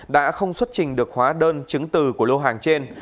đã không xuất trình được hóa đơn chứng từ của lô hàng trên